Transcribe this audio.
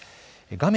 画面